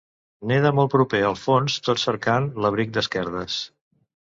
Neda molt proper al fons tot cercant l'abric d'esquerdes.